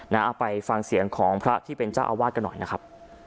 เอาไปฟังเสียงของพระที่เป็นเจ้าอาวาสกันหน่อยนะครับ